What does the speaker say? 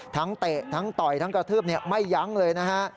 เตะทั้งต่อยทั้งกระทืบไม่ยั้งเลยนะฮะ